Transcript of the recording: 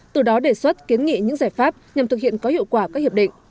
từ đó đề xuất kiến nghị những giải pháp nhằm thực hiện có hiệu quả các hiệp định